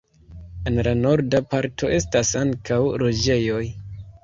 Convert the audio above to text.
En la norda parto estas ankaŭ loĝejoj.